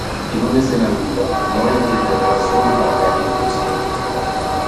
En una escena ambigua, Nora intenta entrar solo para caer inconsciente.